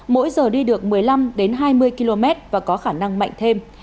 mỗi giờ đi được một mươi năm hai mươi km và có khả năng mạnh thêm